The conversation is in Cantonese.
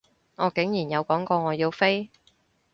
我竟然有講過我要飛？